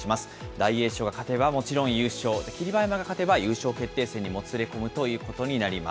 大栄翔が勝てばもちろん優勝、霧馬山が勝てば優勝決定戦にもつれ込むということになります。